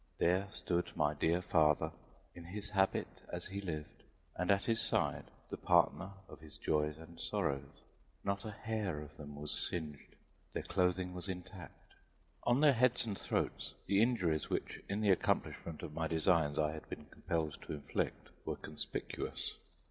There stood my dear father "in his habit as he lived," and at his side the partner of his joys and sorrows. Not a hair of them was singed, their clothing was intact. On their heads and throats the injuries which in the accomplishment of my designs I had been compelled to inflict were conspicuous.